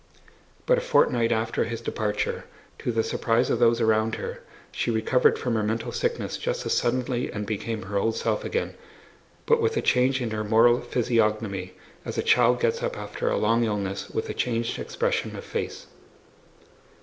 But a fortnight after his departure, to the surprise of those around her, she recovered from her mental sickness just as suddenly and became her old self again, but with a change in her moral physiognomy, as a child gets up after a long illness with a changed expression of face.